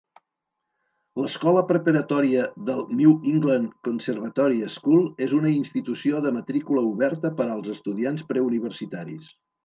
L'Escola preparatòria del New England Conservatory School és una institució de matrícula oberta per als estudiants preuniversitaris.